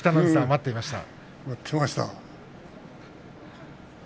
待ってました！